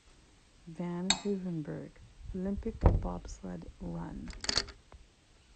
Van Hoevenberg Olympic Bobsled Run.